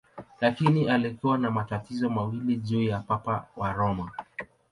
Lakini alikuwa na matatizo mawili juu ya Papa wa Roma.